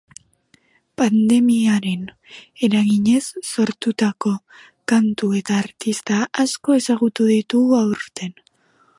Pandemiaren eraginez sortutako kantu eta artista asko ezagutu ditugu aurten.